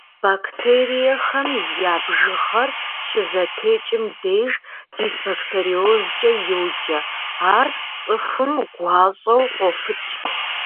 Бактериехэм я бжыгъэр щызэтекӏым деж дисбактериозкӏэ йоджэ, ар цӏыхум гуащӏэу къофыкӏ.